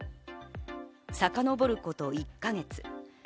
さかのぼること１か月。